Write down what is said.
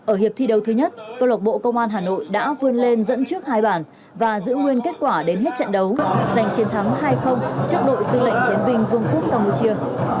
ở hiệp thi đấu thứ nhất câu lộc bộ công an hà nội đã vươn lên dẫn trước hai bản và giữ nguyên kết quả đến hết trận đấu giành chiến thắng hai trước đội tư lệnh chiến binh vương quốc campuchia